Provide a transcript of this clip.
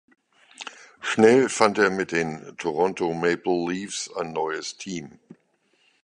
Schnell fand er mit den Toronto Maple Leafs ein neues Team.